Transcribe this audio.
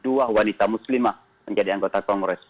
dua wanita muslimah menjadi anggota kongres